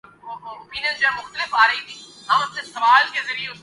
ان کی صلاحیت میں کوئی اضافہ نہیں ہوتا اور وہ موت کےقریب ہوجاتے ہیں